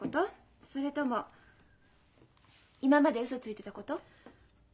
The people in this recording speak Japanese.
それとも今までウソついてたこと？